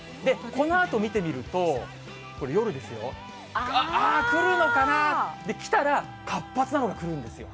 このあと見てみると、これ、夜ですよ。あっ、来るのかな、来たら活発なのが来るんですよ。